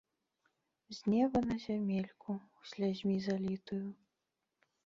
З неба на зямельку, слязьмі залітую!